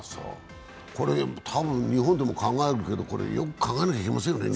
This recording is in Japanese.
これ、たぶん日本でも考えるけど、よく考えなきゃいけませんね